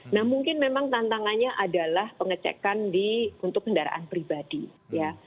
nah mungkin memang tantangannya adalah pengecekan untuk kendaraan pribadi ya